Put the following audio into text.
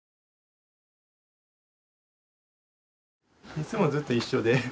いつもずっと一緒で。